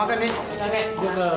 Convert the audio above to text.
cawang aku di rumah